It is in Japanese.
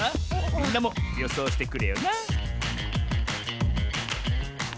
みんなもよそうしてくれよな